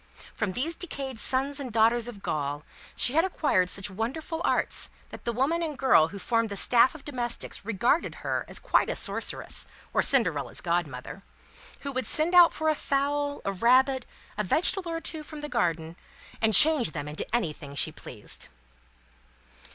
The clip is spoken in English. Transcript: From these decayed sons and daughters of Gaul, she had acquired such wonderful arts, that the woman and girl who formed the staff of domestics regarded her as quite a Sorceress, or Cinderella's Godmother: who would send out for a fowl, a rabbit, a vegetable or two from the garden, and change them into anything she pleased.